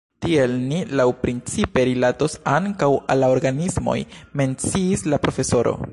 Tiel ni laŭprincipe rilatos ankaŭ al la organismoj, menciis la profesoro.